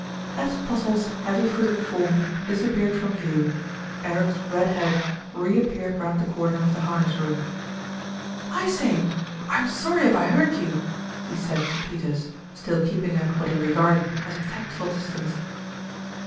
As Postle's heavy footed form disappeared from view, Eric's red head reappeared round the corner of the harness room. "I say, I'm sorry if I hurt you," he said to Peters, still keeping at what he regarded as a tactful distance.